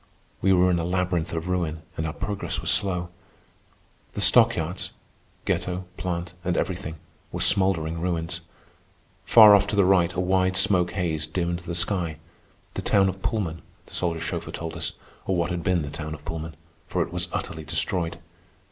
We were in a labyrinth of ruin, and our progress was slow. The stockyards (ghetto, plant, and everything) were smouldering ruins. Far off to the right a wide smoke haze dimmed the sky,—the town of Pullman, the soldier chauffeur told us, or what had been the town of Pullman, for it was utterly destroyed.